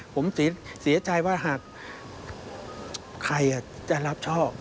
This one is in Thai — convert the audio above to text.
ผมเสียใจว่าหากใครจะรับชอบ